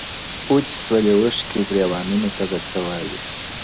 وچې سولې اوښکي ګرېوانونو ته به څه وایو-